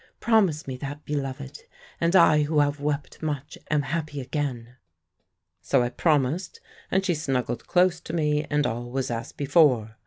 Promise me that, beloved; and I, who have wept much, am happy again.' "So I promised, and she snuggled close to me, and all was as before.